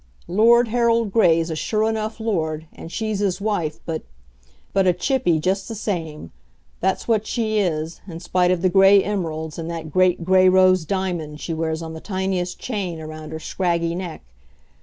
Lord Harold Gray's a sure enough Lord, and she's his wife but but a chippy, just the same; that's what she is, in spite of the Gray emeralds and that great Gray rose diamond she wears on the tiniest chain around her scraggy neck.